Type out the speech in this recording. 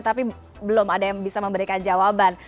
tapi belum ada yang bisa memberikan jawaban